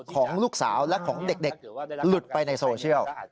ของลูกสาวและของเด็กหลุดไปในโซเชียล